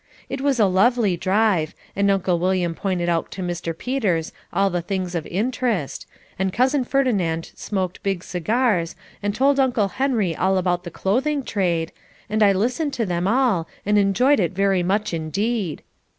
It was a lovely drive and Uncle William pointed out to Mr. Peters all the things of interest, and Cousin Ferdinand smoked big cigars and told Uncle Henry all about the clothing trade, and I listened to them all and enjoyed it very much indeed.